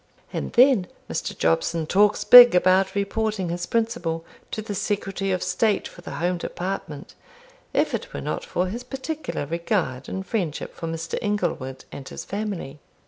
And then Mr. Jobson talks big about reporting his principal to the Secretary of State for the Home Department, if it were not for his particular regard and friendship for Mr. Inglewood and his family."